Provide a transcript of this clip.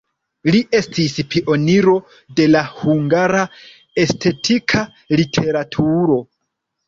Li estis pioniro de la hungara estetika literaturo.